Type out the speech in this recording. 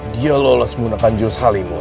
dia menggunakan jurus halimun